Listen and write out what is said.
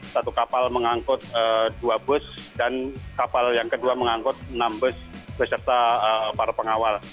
satu kapal mengangkut dua bus dan kapal yang kedua mengangkut enam bus beserta para pengawal